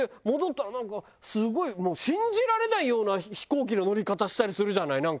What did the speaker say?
戻ったらなんかすごいもう信じられないような飛行機の乗り方したりするじゃない？